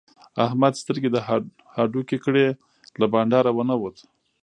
احمد سترګې د هډوکې کړې؛ له بانډاره و نه وت.